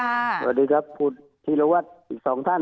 สวัสดีครับพูดทีละวัดอีก๒ท่าน